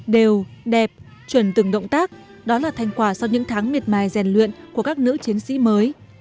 đều đẹp chuẩn từng động tác đó là thành quả sau những tháng miệt mài rèn luyện của các nữ chiến sĩ mới